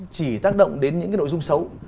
chỉ tác động đến những cái nội dung xấu